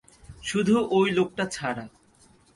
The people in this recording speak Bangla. শুধু ওই লোকটা ছাড়া।